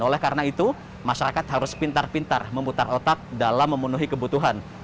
oleh karena itu masyarakat harus pintar pintar memutar otak dalam memenuhi kebutuhan